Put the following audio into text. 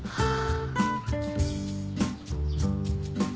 ああ。